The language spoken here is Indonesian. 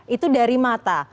itu dari mata